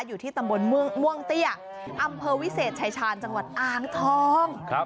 อยู่ที่ตำบลม่วงเตี้ยอำเภอวิเศษชายชาญจังหวัดอ่างทอง